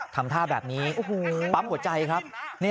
ทำท่าแบบนี้ปั๊มหัวใจครับ